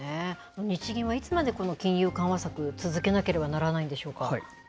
日銀はいつまでこの金融緩和策、続けなければならないんでしょうか。